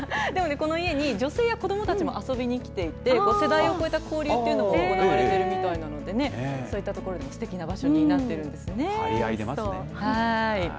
この家に女性や子どもたちも遊びに来ていて世代を超えた交流というのが行われているみたいなのでそういったところでもすてきな場所にやりがいでますね。